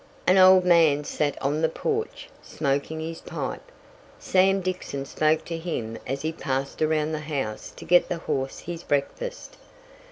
An old man sat on the porch, smoking his pipe. Sam Dixon spoke to him as he passed around the house to get the horse his breakfast.